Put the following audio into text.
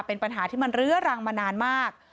เป็นปัญหาที่มันเรื้อรังมานานมาก